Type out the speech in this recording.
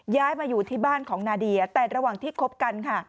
ย้ายมาอยู่ที่บ้านของนาเดียแต่ระหว่างที่คบกันค่ะ